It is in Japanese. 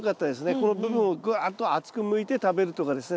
この部分をぐわっと厚くむいて食べるとかですね